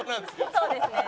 そうですね。